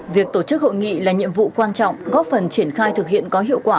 việc tổ chức hội nghị là nhiệm vụ quan trọng góp phần triển khai thực hiện có hiệu quả